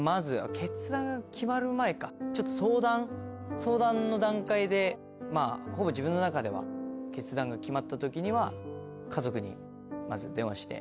決断が決まる前かちょっと相談相談の段階でまぁほぼ自分の中では決断が決まった時には家族にまず電話して。